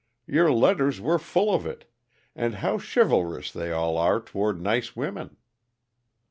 Your letters were full of it and how chivalrous they all are toward nice women."